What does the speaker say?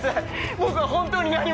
僕は本当に何も。